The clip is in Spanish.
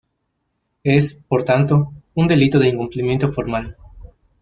Es, por tanto, un delito de incumplimiento formal.